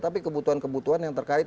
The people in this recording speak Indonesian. tapi kebutuhan kebutuhan yang terkait